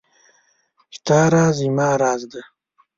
ستا راز زما راز دی .